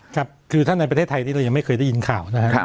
ครับคือถ้าในประเทศไทยที่เรายังไม่เคยได้ยินข่าวนะครับ